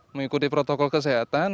mengikuti protokol kesehatan